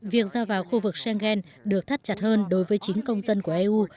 việc ra vào khu vực stengen được thắp chặt hơn đối với chính công dân của eu